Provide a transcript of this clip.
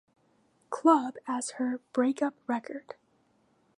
Club" as her "breakup record.